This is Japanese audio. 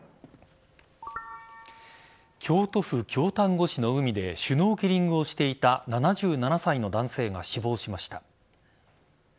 京都府京丹後市の海でシュノーケリングをしていた７７歳の男性が死亡しました。